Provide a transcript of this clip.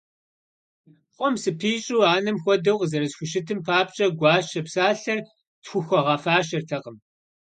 Пхъум сыпищӀу анэм хуэдэу къызэрисхущытым папщӀэ гуащэ псалъэр схухуэгъэфащэртэкъым.